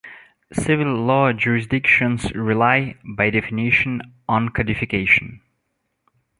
Civil law jurisdictions rely, by definition, on codification.